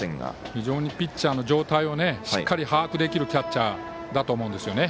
非常にピッチャーの状態をしっかり把握できるキャッチャーですね。